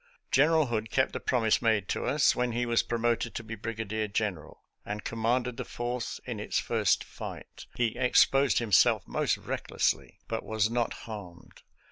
General Hood kept the promise made to us when he was promoted to be brigadier general, and commanded the Fourth in its first fight. He exposed himself most recklessly, but was not harmed.